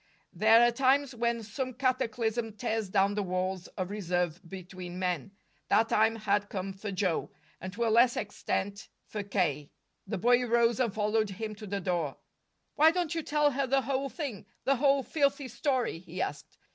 There are times when some cataclysm tears down the walls of reserve between men. That time had come for Joe, and to a lesser extent for K. The boy rose and followed him to the door. "Why don't you tell her the whole thing? the whole filthy story?" he asked.